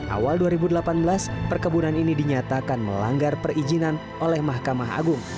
awal dua ribu delapan belas perkebunan ini dinyatakan melanggar perizinan oleh mahkamah agung